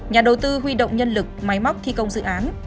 nhà đầu tư huy động nhân lực máy móc thi công dự án